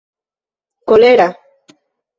kolera